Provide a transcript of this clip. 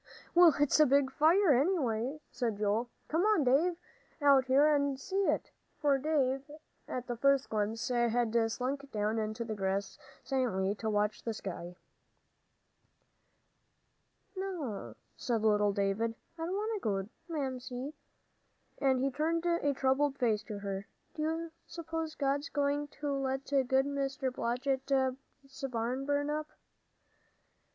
"Well, it's a big fire, anyway," said Joel. "Come on, Dave, out here and see it," for Dave, at the first glimpse, had slunk down on the grass silently to watch the sky. "No," said little David, "I don't want to go, Joel. Mamsie " and he turned a troubled face to her "do you suppose God's going to let good Mr. Blodgett's barn burn up?"